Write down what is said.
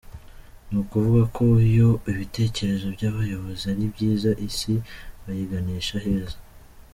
Ni ukuvuga ko iyo ibitekerezo by’ abayobozi ari byiza, isi bayiganisha aheza.